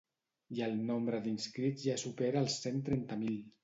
I el nombre d’inscrits ja supera els cent trenta mil.